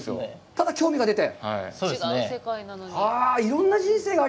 ただ興味が出て？